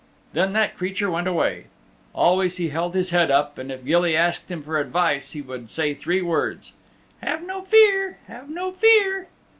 Then that creature went away. Always he held his head up and if Gilly asked him for advice he would say three words, "Have no fear; have no fear."